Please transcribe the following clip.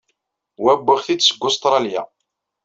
Wa, wwiɣ-t-id seg Ustṛalya.